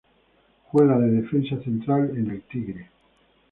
Juega de defensa central en Tigre.